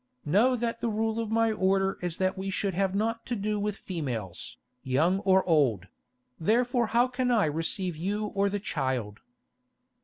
Know that the rule of my order is that we should have naught to do with females, young or old; therefore how can I receive you or the child?"